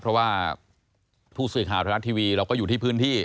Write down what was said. เพราะว่าผู้สื่อข่าวไทยรัฐทีวีเราก็อยู่ที่พื้นที่